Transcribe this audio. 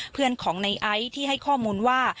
เพื่อนของในไอซ์ที่ให้ข้อมูลว่า